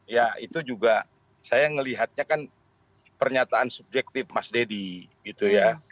ya itu juga saya melihatnya kan pernyataan subjektif mas deddy gitu ya